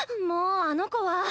もうあの子は。